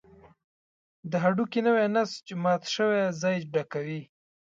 د هډوکي نوی نسج مات شوی ځای ډکوي.